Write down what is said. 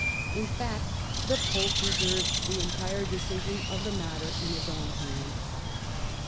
In fact, the Pope reserved the entire decision of the matter in his own hand.